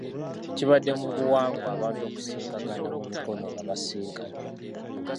Kibadde mu buwangwa abantu okusikangana mu mikono nga basisinkanye.